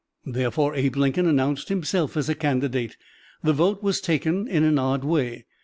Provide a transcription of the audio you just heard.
Therefore Abe Lincoln announced himself as a candidate. The vote was taken in an odd way.